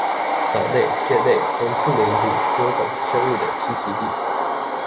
藻類、蟹類、紅樹林等多種生物的棲息地